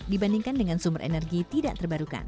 dibandingkan dengan sumber energi tidak terbarukan